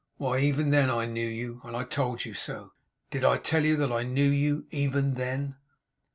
Why, even then I knew you, and I told you so. Did I tell you that I knew you, even then?